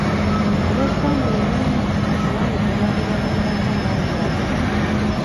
Olw'essanyu eringi essowaani ze baali baliirako bazaasa.